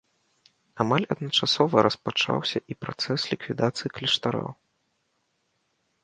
Амаль адначасова распачаўся і працэс ліквідацыі кляштараў.